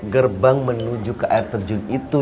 gerbang menuju ke air terjun itu